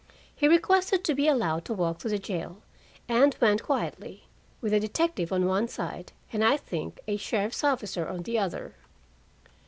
He requested to be allowed to walk to the jail, and went quietly, with a detective on one side and I think a sheriff's officer on the other.